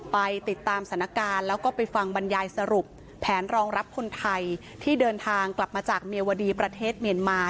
ไปติดตามสถานการณ์แล้วก็ไปฟังบรรยายสรุปแผนรองรับคนไทยที่เดินทางกลับมาจากเมียวดีประเทศเมียนมา